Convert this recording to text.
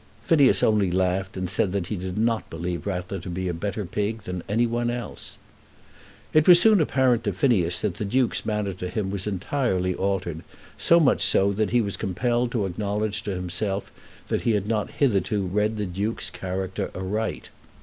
Phineas only laughed and said that he did not believe Rattler to be a better pig than any one else. It was soon apparent to Phineas that the Duke's manner to him was entirely altered, so much so that he was compelled to acknowledge to himself that he had not hitherto read the Duke's character aright.